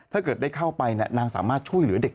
ถ้าเกิดได้เข้าไปนางสามารถช่วยเหลือเด็ก